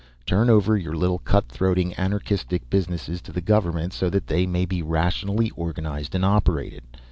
Turn over your little cut throating, anarchistic businesses to the government so that they may be rationally organized and operated."